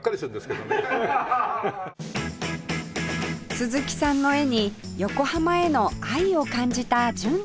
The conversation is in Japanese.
鈴木さんの絵に横浜への愛を感じた純ちゃん